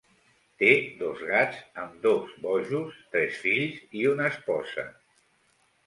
Té dos gats, ambdós bojos, tres fills i esposa.